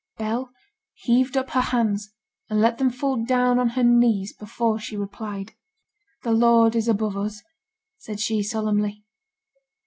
Bell heaved up her hands, and let them fall down on her knees before she replied. 'The Lord is above us,' said she, solemnly.